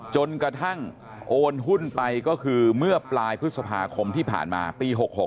จนกระทั่งโอนหุ้นไปก็คือเมื่อปลายพฤษภาคมที่ผ่านมาปี๖๖